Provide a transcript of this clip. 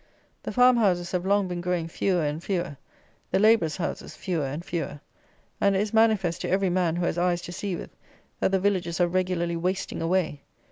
The farmhouses have long been growing fewer and fewer; the labourers' houses fewer and fewer; and it is manifest to every man who has eyes to see with, that the villages are regularly wasting away.